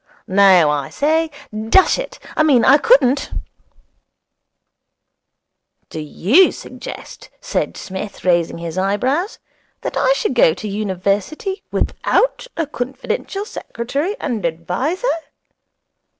No I say dash it I mean, I couldn't ' 'Do you suggest,' said Psmith, raising his eyebrows, 'that I should go to the University without a confidential secretary and adviser?'